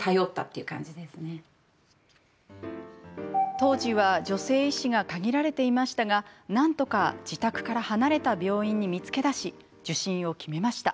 当時は女性医師が限られていましたがなんとか自宅から離れた病院に見つけ出し受診を決めました。